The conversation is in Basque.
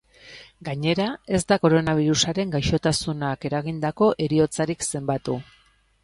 Gainera, ez da koronabirusaren gaixotasunak eragindako heriotzarik zenbatu.